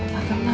gak kenal dang